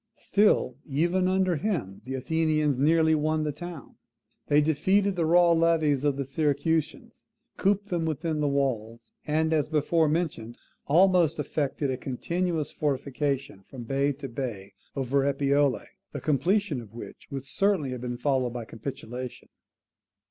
Still, even under him, the Athenians nearly won the town. They defeated the raw levies of the Syracusans, cooped them within the walls, and, as before mentioned, almost effected a continuous fortification from bay to bay over Epipolae, the completion of which would certainly have been followed by capitulation.